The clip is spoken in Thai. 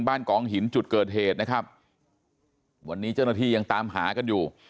กองหินจุดเกิดเหตุนะครับวันนี้เจ้าหน้าที่ยังตามหากันอยู่